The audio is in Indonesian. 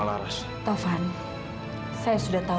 kita juga perlu menjadi seorang amat